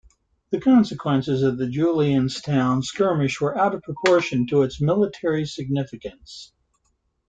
The consequences of the Julianstown skirmish were out of proportion to its military significance.